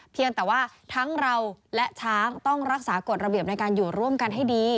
เพียงแต่ว่าทั้งเราและช้างต้องรักษากฎระเบียบในการอยู่ร่วมกันให้ดี